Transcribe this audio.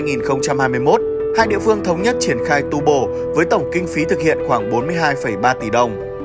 năm hai nghìn hai mươi một hai địa phương thống nhất triển khai tu bổ với tổng kinh phí thực hiện khoảng bốn mươi hai ba tỷ đồng